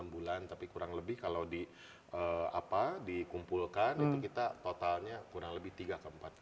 enam bulan tapi kurang lebih kalau dikumpulkan itu kita totalnya kurang lebih tiga ke empat